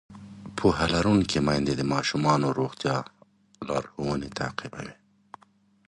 پوهه لرونکې میندې د ماشومانو د روغتیا لارښوونې تعقیبوي.